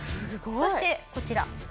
そしてこちら。